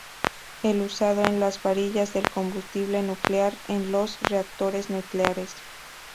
Es usado en las varillas del combustible nuclear en los reactores nucleares.